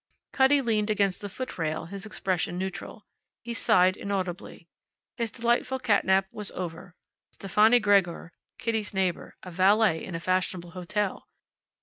Cutty leaned against the footrail, his expression neutral. He sighed inaudibly. His delightful catnap was over. Stefani Gregor, Kitty's neighbour, a valet in a fashionable hotel!